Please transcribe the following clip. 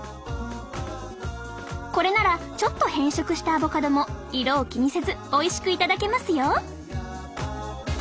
これならちょっと変色したアボカドも色を気にせずおいしく頂けますよ！